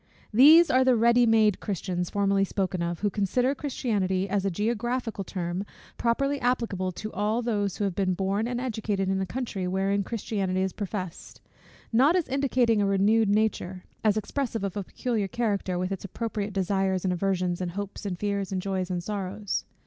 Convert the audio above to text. These are the ready made Christians formerly spoken of, who consider Christianity as a geographical term, properly applicable to all those who have been born and educated in a country wherein Christianity is professed; not as indicating a renewed nature, as expressive of a peculiar character, with its appropriate desires and aversions, and hopes, and fears, and joys, and sorrows.